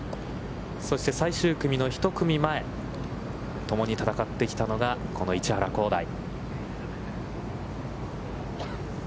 そして、最終組の１組前、共に戦ってきたのがこの市原弘大。